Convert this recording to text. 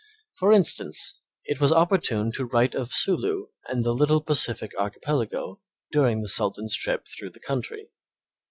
For instance, it was opportune to write of Sulu and the little Pacific archipelago during the Sultan's trip through the country.